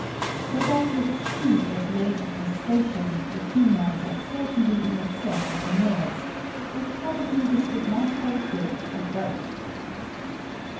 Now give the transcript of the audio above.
So that with sheep at the age of castration the females are certainly in excess of the males, but probably this would not hold good at birth.